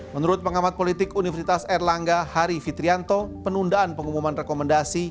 menurut pengamat politik universitas erlangga hari fitrianto penundaan pengumuman rekomendasi